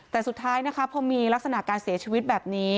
แต่สุดท้ายนะคะพอมีลักษณะการเสียชีวิตแบบนี้